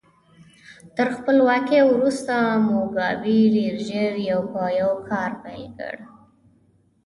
تر خپلواکۍ وروسته موګابي ډېر ژر یو په یو کار پیل کړ.